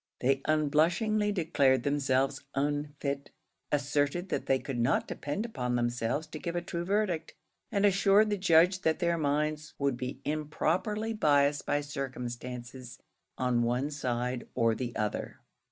They unblushingly declared themselves unfit; asserted that they could not depend upon themselves to give a true verdict, and assured the judge that their minds would be improperly biassed by circumstances on one side or the other.